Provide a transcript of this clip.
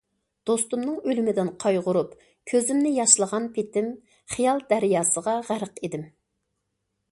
دوستۇمنىڭ ئۆلۈمىدىن قايغۇرۇپ كۆزۈمنى ياشلىغان پېتىم خىيال دەرياسىغا غەرق ئىدىم.